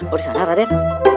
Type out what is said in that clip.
oh dari sana raden